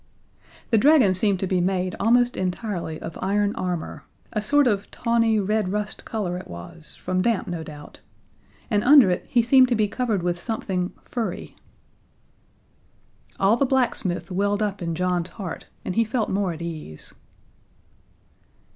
The dragon seemed to be made almost entirely of iron armor a sort of tawny, red rust color it was; from damp, no doubt and under it he seemed to be covered with something furry. All the blacksmith welled up in John's heart, and he felt more at ease.